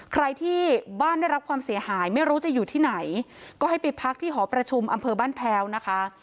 ใครที่บ้านได้รับความเสียหายไม่รู้จะอยู่ที่ไหนก็ให้ไปพักที่หอประชุมอำเภอบ้านแพ้วนะคะ